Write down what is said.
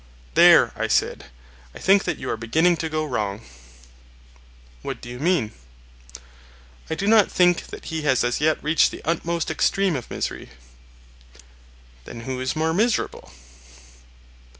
There, I said, I think that you are beginning to go wrong. What do you mean? I do not think that he has as yet reached the utmost extreme of misery. Then who is more miserable?